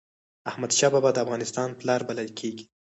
احمد شاه بابا د افغانستان پلار بلل کېږي.